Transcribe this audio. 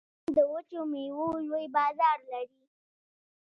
ایران د وچو میوو لوی بازار لري.